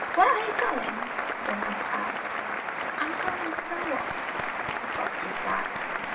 "Where are you going?" the mouse asked. "I 'm going for a walk," the fox replied.